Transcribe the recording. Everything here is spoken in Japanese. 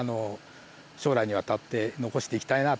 将来にわたって残していきたいなと。